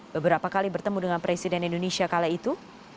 beberapa kali bertemu dengan presiden indonesia kala itu